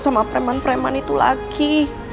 sama preman preman itu lagi